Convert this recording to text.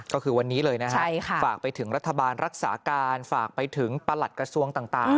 ก็คือวันนี้เลยนะฮะฝากไปถึงรัฐบาลรักษาการฝากไปถึงประหลัดกระทรวงต่าง